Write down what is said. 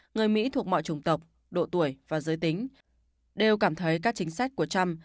người mỹ thuộc mọi trùng tộc độ tuổi và giới tính đều cảm thấy các chính sách của trump